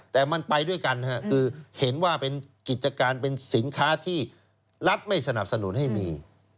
แต่มันไปด้วยกันคือเห็นว่าเป็นกิจการเป็นสินค้าที่รัฐไม่สนับสนุนให้มี